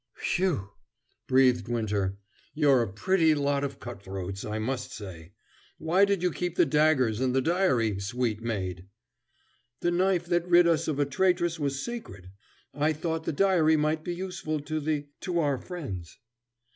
"Phew!" breathed Winter, "you're a pretty lot of cutthroats, I must say. Why did you keep the daggers and the diary, sweet maid?" "The knife that rid us of a traitress was sacred. I thought the diary might be useful to the to our friends."